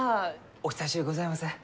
お久しゅうございます。